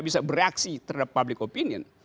bisa bereaksi terhadap public opinion